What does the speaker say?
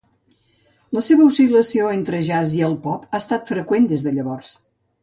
La seva oscil·lació entre el jazz i el pop ha estat freqüent des de llavors.